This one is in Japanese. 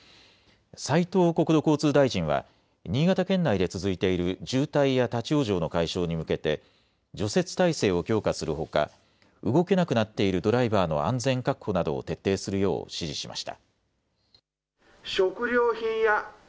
斉藤国土交通大臣は新潟県内で続いている渋滞や立往生の解消に向けて除雪体制を強化するほか、動けなくなっているドライバーの安全確保などを徹底するよう指示しました。